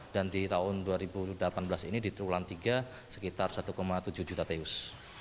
dan di tahun dua ribu delapan belas ini di triwulan tiga sekitar satu tujuh juta teus